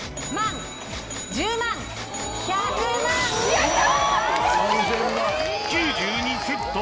⁉やった！